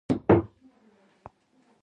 بوتل د سنبال ساتلو اړتیا لري.